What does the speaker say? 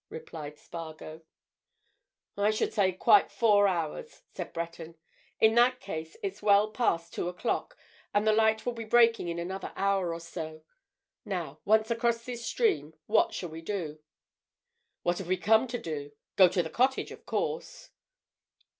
replied Spargo. "I should say quite four hours," said Breton. "In that case, it's well past two o'clock, and the light will be breaking in another hour or so. Now, once across this stream, what shall we do?" "What have we come to do? Go to the cottage, of course!"